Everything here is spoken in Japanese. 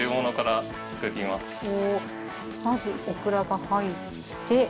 まずオクラが入って。